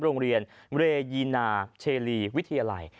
โรงเรียนเรยีนาเชลีวิทยาลัย